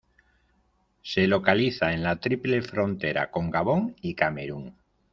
Se localiza en la triple frontera con Gabón y Camerún.